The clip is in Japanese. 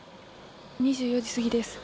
２４時過ぎです。